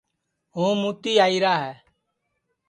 ہُوں مُوتی آئیرا ہے